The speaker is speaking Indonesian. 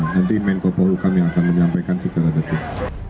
nanti menko polhukam yang akan menyampaikan secara detil